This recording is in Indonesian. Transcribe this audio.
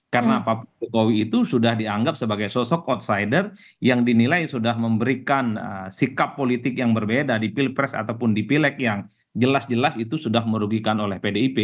karena pak jokowi itu sudah dianggap sebagai sosok outsider yang dinilai sudah memberikan sikap politik yang berbeda di pilpres ataupun di pileg yang jelas jelas itu sudah merugikan oleh pdip